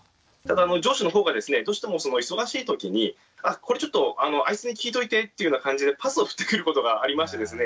上司の方がですねどうしても忙しい時に「これちょっとあいつに聞いておいて」っていうような感じでパスをふってくることがありましてですね